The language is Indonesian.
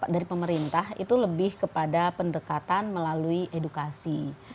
dari pemerintah itu lebih kepada pendekatan melalui edukasi